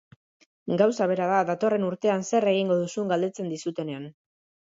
Gauza bera da datorren urtean zer egingo duzun galdetzen dizutenean.